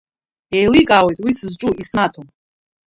Иеиликаауеит уи сызҿу иснаҭо…